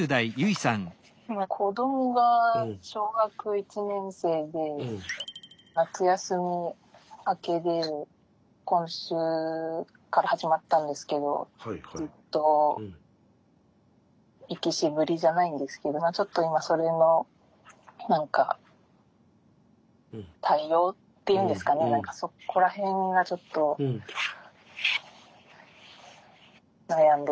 今子どもが小学１年生で夏休み明けで今週から始まったんですけどずっと行き渋りじゃないんですけどちょっと今それの何か対応っていうんですかね何かそこら辺がちょっと悩んでてっていうか。